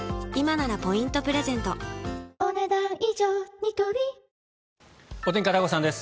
ニトリお天気、片岡さんです。